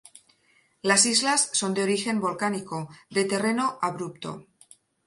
Las islas son de origen volcánico, de terreno abrupto.